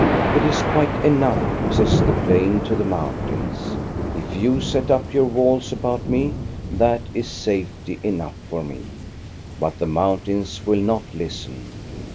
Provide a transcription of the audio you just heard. "It is quite enough," says the plain to the moun tains ;" if you set up your walls about me, that is safety enough for me." But the mountains will not listen.